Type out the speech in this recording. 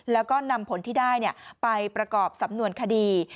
แล้วก็นำผลที่ได้ไปประกอบสำนวนคดี